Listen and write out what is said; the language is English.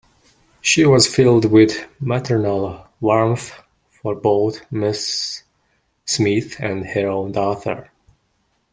She was filled with maternal warmth for both Mrs. Smith and her own daughter.